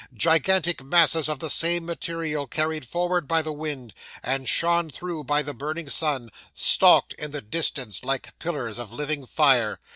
Gigantic masses of the same material, carried forward by the wind, and shone through by the burning sun, stalked in the distance like pillars of living fire.